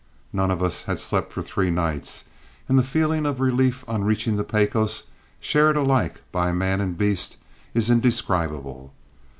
None of us had slept for three nights, and the feeling of relief on reaching the Pecos, shared alike by man and beast, is indescribable.